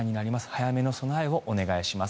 早めの備えをお願いします。